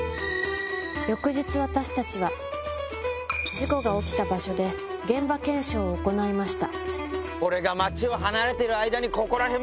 私たちは事故が起きた場所で現場検証を行いました。